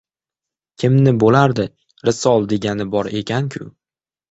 — Kimni bo‘lardi. Risol degani bor ekan-ku!